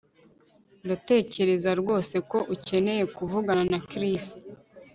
Ndatekereza rwose ko ukeneye kuvugana na Chris